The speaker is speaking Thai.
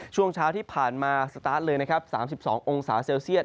ช่วงเช้าที่ผ่านมาสตาร์ทเลยนะครับ๓๒องศาเซลเซียต